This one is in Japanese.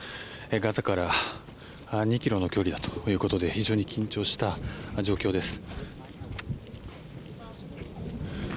ガザから２ｋｍの距離だということで非常に緊張した状況です。